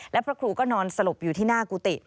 และพระครูก็นอนสลบอยู่ที่หน้ากุฏิ